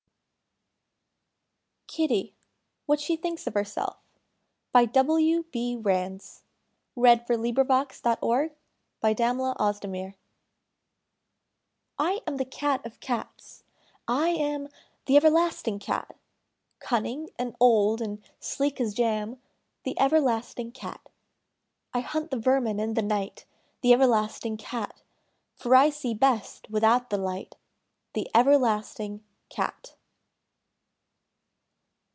KITTY: WHAT SHE THINKS OF HERSELF I am the Cat of Cats. I am The everlasting cat! Cunning, and old, and sleek as jam, The everlasting cat! I hunt the vermin in the night The everlasting cat! For I see best without the light The everlasting cat!